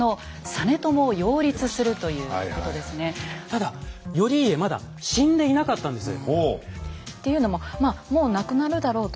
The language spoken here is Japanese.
ただ頼家まだ死んでいなかったんです。